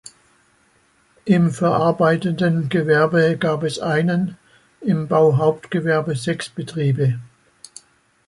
Im verarbeitenden Gewerbe gab es einen, im Bauhauptgewerbe sechs Betriebe.